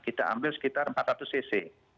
kita ambil sekitar empat ratus cc